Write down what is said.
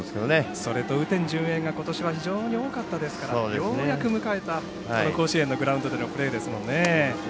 それと雨天順延がことしは非常に多かったですからようやく迎えた甲子園でのグラウンドのプレーですもんね。